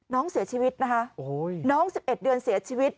น้องเสียชีวิตนะคะโอ้โหน้องสิบเอ็ดเดือนเสียชีวิต